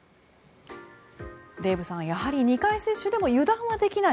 デーブさんやはり２回接種でも油断はできない。